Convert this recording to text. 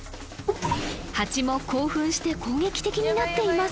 ハチも興奮して攻撃的になっています